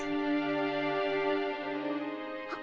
aku nggak mau makan ini